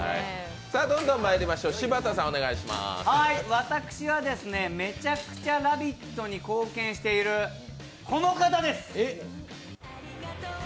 私はめちゃくちゃ「ラヴィット！」に貢献してるこの方です。